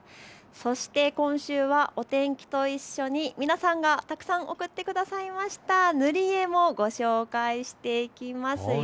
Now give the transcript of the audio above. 今週はお天気と一緒に皆さんがたくさん送ってくださいました塗り絵もご紹介していきます。